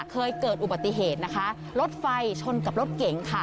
เคยเกิดอุบัติเหตุนะคะรถไฟชนกับรถเก๋งค่ะ